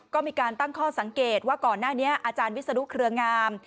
ก็มีการตั้งข้อสังเกตา่อาจารย์วิสดุเครืองาม